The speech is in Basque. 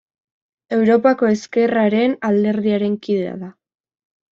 Europako Ezkerraren Alderdiaren kidea da.